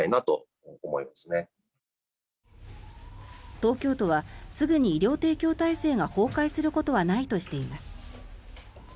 東京都はすぐに医療提供体制が崩壊することはないとしています。